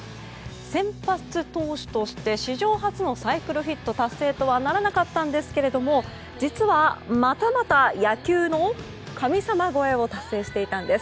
先発投手として史上初のサイクルヒット達成とはならなかったんですけども実は、またまた野球の神様超えを達成していたんです。